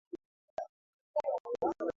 yana yanakua yanapewa umuhimu